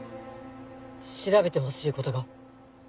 調べてほしいことが。